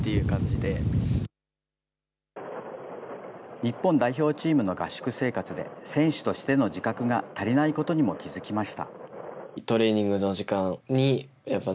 日本代表チームの合宿生活で、選手としての自覚が足りないことにも気付きました。